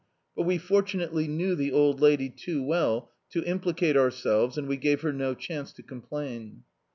But we for tunately knew the old lady too well to implicate our selves and we gave her no chance to complain.